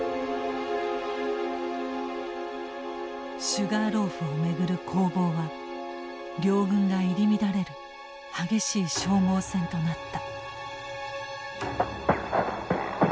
シュガーローフを巡る攻防は両軍が入り乱れる激しい消耗戦となった。